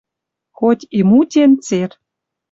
Хоть и мутен цер